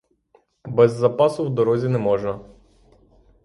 Без запасу в дорозі не можна.